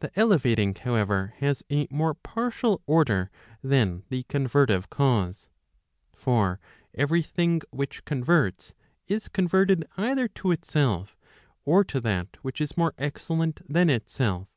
The elevating however, has a more partial order than the convertive cause. For every thing which converts, [is converted either to itself, or to that which is more excellent than itself.